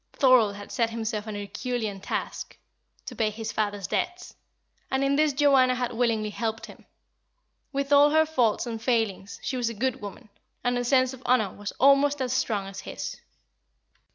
Thorold had set himself an Herculean task to pay his father's debts and in this Joanna had willingly helped him; with all her faults and failings, she was a good woman, and her sense of honour was almost as strong as his.